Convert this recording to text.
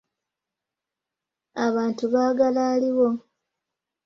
Abantu baagala aliwo.